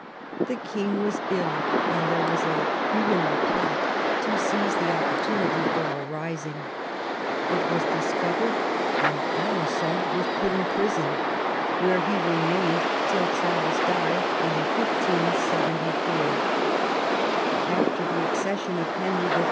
The King was ill, and there was a Huguenot plot to seize the opportunity for a rising. It was discovered, and Alen9on was put in prison, where he remained till Charles died in 1574. After the accession of Henry III.